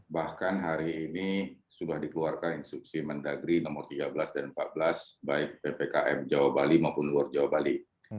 bahkan hari ini sudah dikeluarkan instruksi mendagri nomor tiga belas dan empat belas baik ppkm jawa bali maupun luar jawa bali